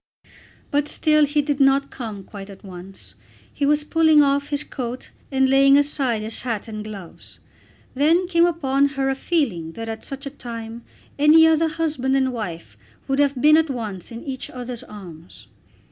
But still he did not come quite at once. He was pulling off his coat and laying aside his hat and gloves. Then came upon her a feeling that at such a time any other husband and wife would have been at once in each other's arms.